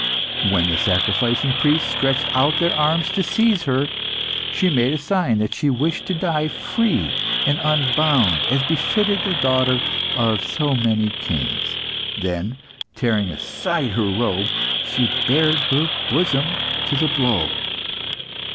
When the sacrificing priests stretched out their arms to seize her, she made a sign that she wished to die free and unbound, as befitted the daughter of so many kings. Then, tearing aside her robe, she bared her bosom to the blow.